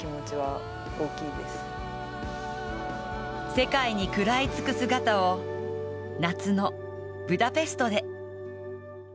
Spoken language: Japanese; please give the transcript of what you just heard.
世界に食らいつく姿を、夏のブダペストで。